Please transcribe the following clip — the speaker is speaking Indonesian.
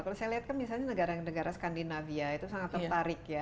kalau saya lihat kan misalnya negara negara skandinavia itu sangat tertarik ya